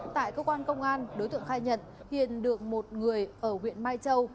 tại cơ quan công an đối tượng khai nhận hiền được một người ở huyện mai châu